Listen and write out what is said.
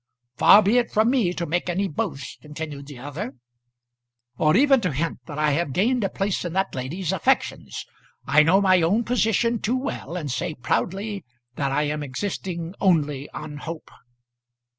"Far be it from me to make any boast," continued the other, "or even to hint that I have gained a place in that lady's affections. I know my own position too well, and say proudly that I am existing only on hope."